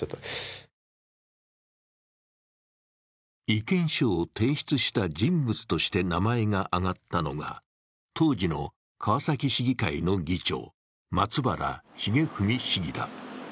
意見書を提出した人物として名前が上がったのが当時の川崎市議会の議長、松原成文市議だ。